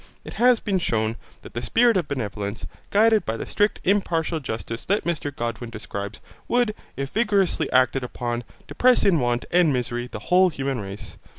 It has been shewn, that the spirit of benevolence, guided by the strict impartial justice that Mr Godwin describes, would, if vigorously acted upon, depress in want and misery the whole human race.